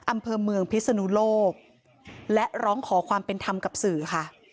อำเภอเมืองพิศนุโลกและร้องขอความเป็นธรรมกับสื่อค่ะ